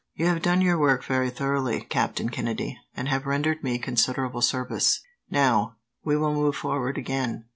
"You have done your work very thoroughly, Captain Kennedy, and have rendered me considerable service. Now, we will move forward again.